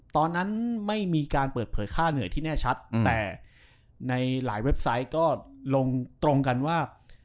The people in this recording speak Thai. ตอนนั้นไม่มีการเปิดเผยค่าเหนื่อยที่แน่ชัดแต่ในหลายเว็บไซต์ก็ลงตรงกันว่า